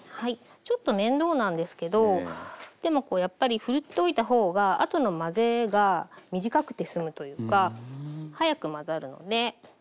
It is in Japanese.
ちょっと面倒なんですけどでもやっぱりふるっておいた方があとの混ぜが短くて済むというか早く混ざるので。